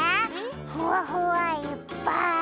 ふわふわいっぱい！